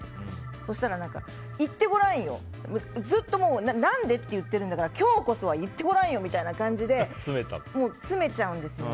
そうしたら、言ってごらんよずっと、何で？って言ってるんだから今日こそ言ってごらんよって詰めちゃうんですよね。